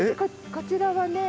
こちらはね